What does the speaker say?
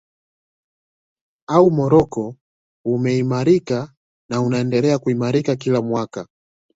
Au Morocco umeimarika na unaendelea kuimarika kila mwaka